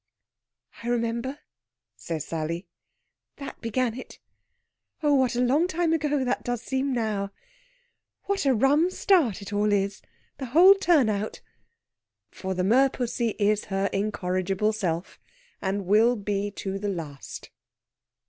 "I remember," says Sally. "That began it. Oh, what a long time ago that does seem now! What a rum start it all is the whole turn out!" For the merpussy is her incorrigible self, and will be to the last.